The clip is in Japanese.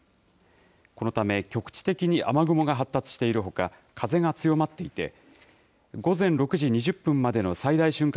このため局地的に雨雲が発達しているほか、風が強まっていて、午前６時２０分までの最大瞬間